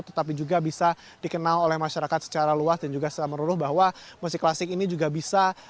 tetapi juga bisa dikenal oleh masyarakat secara luas dan juga secara meruruh bahwa musik klasik ini juga bisa